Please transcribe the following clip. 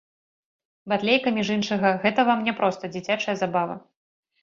Батлейка, між іншага, гэта вам не проста дзіцячая забава.